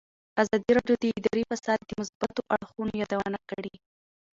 ازادي راډیو د اداري فساد د مثبتو اړخونو یادونه کړې.